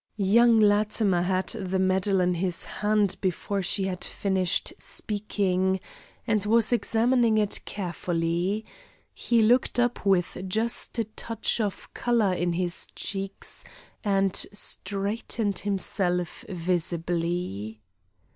Young Latimer had the medal in his hand before she had finished speaking, and was examining it carefully. He looked up with just a touch of color in his cheeks and straightened himself visibly.